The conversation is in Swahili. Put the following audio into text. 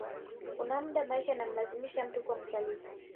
Kuna muda maisha yanamlazimisha mtu kuwa msaliti